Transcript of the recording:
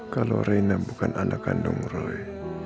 kalau rina bukan anak kandung roy